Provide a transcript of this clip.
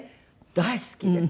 大好きです。